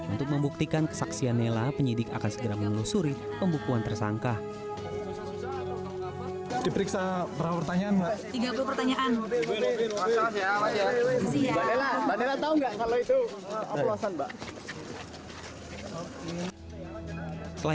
untuk membuktikan kesaksian nela penyidik akan segera menelusuri pembukuan tersangka